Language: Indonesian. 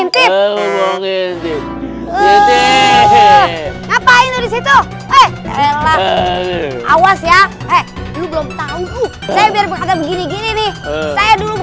ngapain disitu awas ya belum tahu begini gini dulu